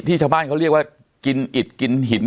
ชาวบ้านเขาเรียกว่ากินอิดกินหิน